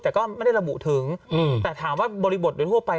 แต่ก็ไม่ได้ระบุถึงแต่ถามว่าบริบทโดยทั่วไป